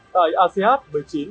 tại asean một mươi chín